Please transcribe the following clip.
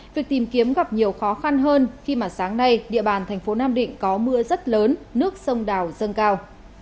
việc tìm kiếm gặp nhiều khó khăn hơn khi mà sáng nay địa bàn thành phố nam định có mưa rất lớn nước sông đào dâng cao